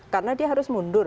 karena dia harus mundur